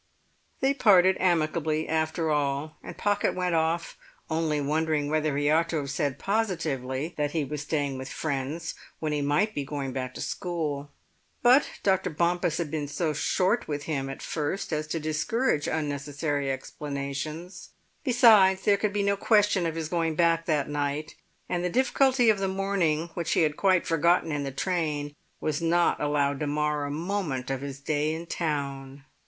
They parted amicably after all, and Pocket went off only wondering whether he ought to have said positively that he was staying with friends when he might be going back to school. But Dr. Bompas had been so short with him at first as to discourage unnecessary explanations; besides, there could be no question of his going back that night. And the difficulty of the morning, which he had quite forgotten in the train, was not allowed to mar a moment of his day in town.